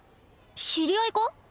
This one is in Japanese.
知り合いか？